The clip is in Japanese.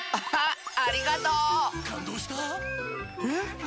うん。